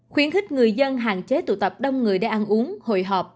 khuyến khích người dân hạn chế tụ tập đông người để ăn uống hội họp